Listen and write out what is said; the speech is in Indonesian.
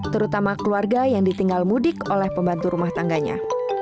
terutama keluarga yang ditinggal mudik oleh pembantu rumah tangganya